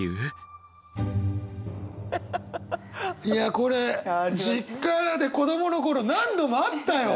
いやこれ実家で子供の頃何度もあったよ。